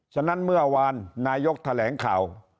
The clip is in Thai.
ฉะนั้นเมื่อวานนายกแถลงข่าว